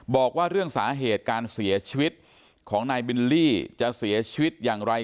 บอกว่าเรื่องสาเหตุการเสียชีวิตของนายบิลลี่จะเสียชีวิตอย่างไร